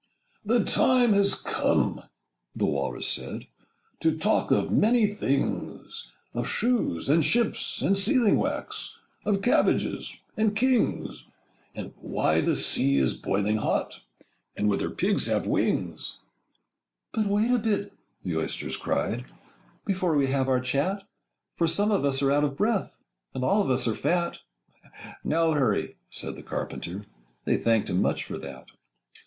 'The time has come,' the Walrus said, Â Â Â Â 'To talk of many things: Of shoes—and ships—and sealing wax— Â Â Â Â Of cabbages—and kings— And why the sea is boiling hot— Â Â Â Â And whether pigs have wings.' 'But wait a bit,' the Oysters cried, Â Â Â Â 'Before we have our chat; For some of us are out of breath, Â Â Â Â And all of us are fat!' 'No hurry!' said the Carpenter. Â Â Â Â They thanked him much for that.